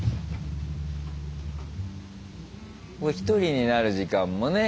１人になる時間もね